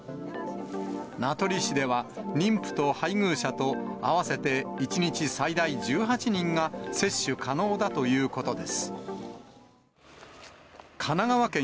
名取市では、妊婦と配偶者と合わせて１日最大１８人が接種可能だということです。